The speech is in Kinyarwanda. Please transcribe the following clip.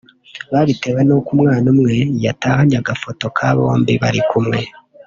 babitewe nuko umwana umwe yatahanye agafoto ka bombi bari kumwe